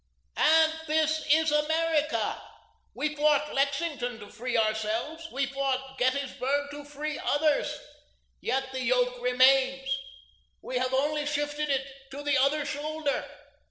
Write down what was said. "And this is America. We fought Lexington to free ourselves; we fought Gettysburg to free others. Yet the yoke remains; we have only shifted it to the other shoulder.